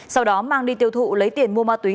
sau đó mang đi tiêu thụ lấy tiền mua ma túy